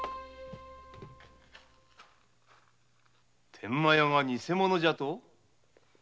天満屋が偽者じゃと？